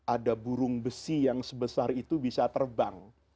ada burung besi yang sebesar itu bisa terbang